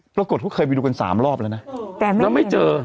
ปรากฏว่าเคยไปดูกัน๓รอบแล้วนะแต่ไม่เจอ